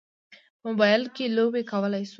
په موبایل کې لوبې کولی شو.